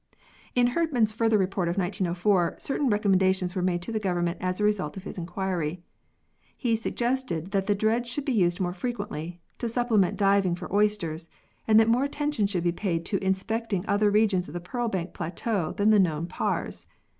In Herdman's further Report of 1904, certain recommendations were made to the Government as a result of his inquiry. He suggested that the dredge should be used more frequently, to supplement diving for oysters, and that more attention should be paid to inspect ing other regions of the pearl bank plateau than the known paars.